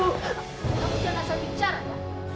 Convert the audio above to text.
kamu jangan asal bicara ya